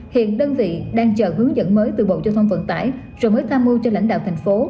hiện đơn vị đang chờ hướng dẫn mới từ bộ giao thông vận tải rồi mới tham mưu cho lãnh đạo thành phố